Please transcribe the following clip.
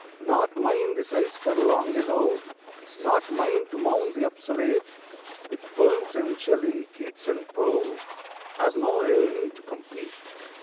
Not mine the sighs for Long Ago; Not mine to mourn the obsolete; With Burns and Shelley, Keats and Poe I have no yearning to compete.